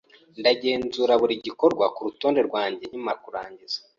Ndagenzura buri gikorwa kurutonde rwanjye nkimara kurangiza.